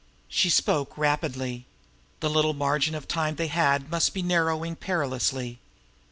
She spoke rapidly. The little margin of time they had must be narrowing perilously.